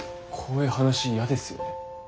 こういう話苦手っすよね？